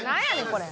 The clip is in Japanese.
これ。